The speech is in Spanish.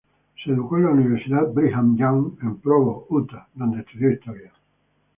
Se educó en la Universidad Brigham Young en Provo, Utah, donde estudió historia.